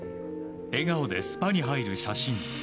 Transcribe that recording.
笑顔でスパに入る写真。